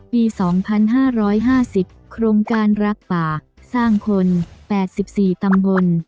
ปีสองพันห้าร้อยห้าสิบโครงการรักป่าสร้างคนแปดสิบสี่ตำบล